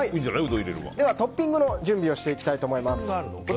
トッピングの準備をしていきたいと思います。